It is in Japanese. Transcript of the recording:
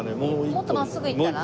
もっと真っすぐ行ったら？